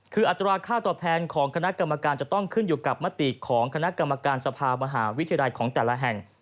คืออัตราค่าตอบแทนของคณะกรรมการจะต้องขึ้นอยู่กับมติของคณะกรรมการสภามหาวิทยาลัยของแต่ละแห่ง